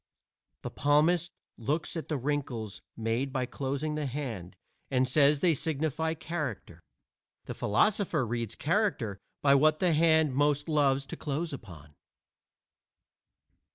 The palmist looks at the wrinkles made by closing the hand and says they signify character. The philosopher reads character by what the hand most loves to close upon.